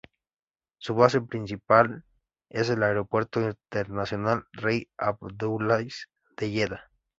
Su base principal es el aeropuerto internacional Rey Abdulaziz de Yeda.